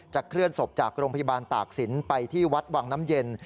เคลื่อนศพจากโรงพยาบาลตากศิลป์ไปที่วัดวังน้ำเย็น